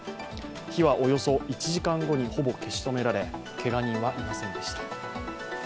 火はおよそ１時間後にほぼ消し止められ、けが人はいませんでした。